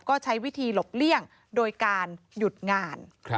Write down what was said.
ก็ใช้วิธีหลบเลี่ยงโดยการหยุดงาน